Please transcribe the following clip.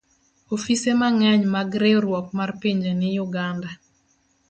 Ofise mang'eny mag Riwruok mar Pinje ni Uganda.